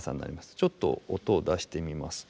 ちょっと音を出してみますと。